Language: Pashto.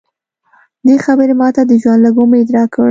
دې خبرې ماته د ژوند لږ امید راکړ